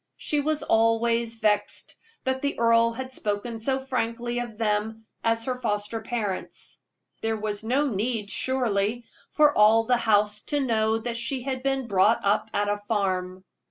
She was always vexed that the earl had spoken so frankly of them as her foster parents. There was no need, surely, for all the house to know that she had been brought up at a farm.